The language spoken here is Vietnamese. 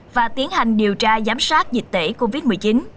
và tiến hành điều tra giám sát dịch tễ covid một mươi chín